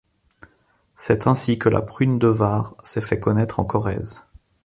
C'est ainsi que la prune de Vars s'est fait connaître en Corrèze.